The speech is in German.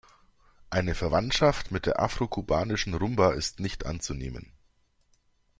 Eine Verwandtschaft mit der afrokubanischen Rumba ist nicht anzunehmen.